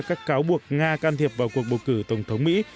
các cáo buộc nga can thiệp vào cuộc bầu cử tổng thống mỹ